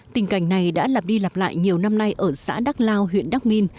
tình cảnh này đã lặp đi lặp lại nhiều năm nay ở xã đắc lao huyện đắc minh